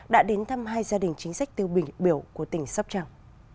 đã đến thăm hai gia đình chính sách tiêu biểu của tỉnh sóc trăng